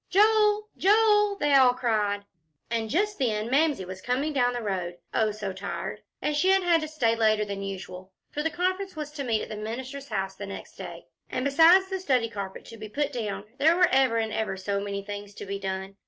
"Joel Joel " they all cried, and just then Mamsie was coming down the road oh! so tired, as she had had to stay later than usual, for the Conference was to meet at the minister's house next day, and besides the study carpet to be put down, there were ever and ever so many things to be done.